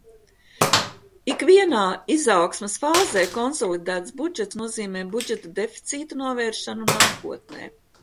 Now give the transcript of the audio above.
Ikvienā izaugsmes fāzē konsolidēts budžets nozīmē budžeta deficīta novēršanu nākotnē.